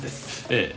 ええ。